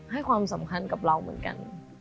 ให้ความสำคัญกับเราเหมือนกัน